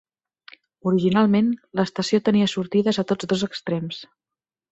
Originalment, l'estació tenia sortides a tots dos extrems.